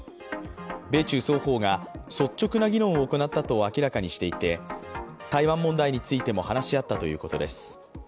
米中双方が率直な議論を行ったと明らかにしていて、台湾問題についても話し合ったということです。